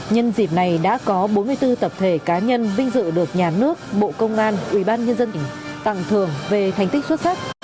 nhân dịp này đã có bốn mươi bốn tập thể cá nhân vinh dự được nhà nước bộ công an ubnd tỉnh tặng thường về thành tích xuất sắc